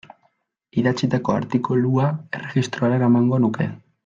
Idatzitako artikulua erregistrora eramango nuke.